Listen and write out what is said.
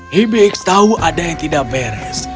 hibis tahu ada yang tidak beres